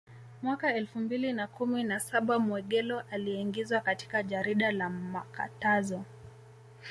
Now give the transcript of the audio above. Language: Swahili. Mwaka elfu mbili na kumi na saba Mwegelo aliingizwa katika jarida la makatazo